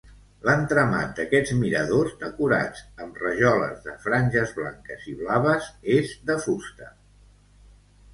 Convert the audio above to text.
L'entramat d'aquests miradors, decorats amb rajoles de franges blanques i blaves, és de fusta.